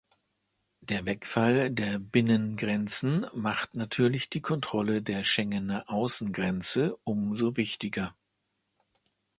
Der Wegfall der Binnengrenzen macht natürlich die Kontrolle der Schengener Außengrenze umso wichtiger.